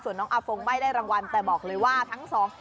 ส่วนน้องอาฟงไม่ได้รางวัลแต่บอกเลยว่าทั้งสอง